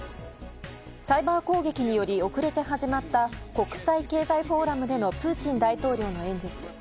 サイバー攻撃により遅れて始まった国際経済フォーラムでのプーチン大統領の演説。